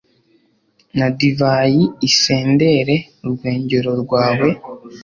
na divayi isendere urwengero rwawe